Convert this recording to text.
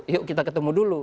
yuk kita ketemu dulu